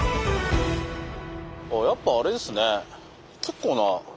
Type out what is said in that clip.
やっぱあれですね。